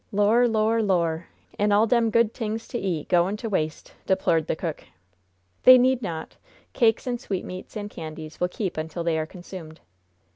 "Lor'! Lor'! Lor'! An' all dem good t'ings to eat goin' to waste!" deplored the cook. "They need not. Cakes and sweetmeats and candies will keep until they are consumed."